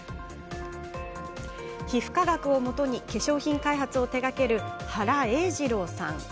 皮膚科学をもとに化粧品開発を手がける原英二郎さん。